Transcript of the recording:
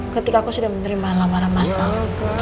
ketika aku sudah menerima alam alam mas al